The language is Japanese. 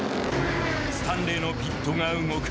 スタンレーのピットが動く。